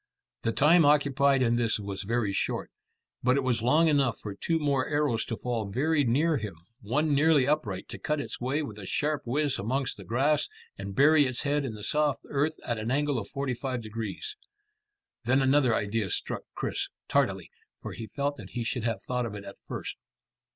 The time occupied in this was very short, but it was long enough for two more arrows to fall very near him, one nearly upright to cut its way with a sharp whizz amongst the grass and bury its head in the soft earth at an angle of forty five degrees. Then another idea struck Chris tardily, for he felt that he should have thought of it at first.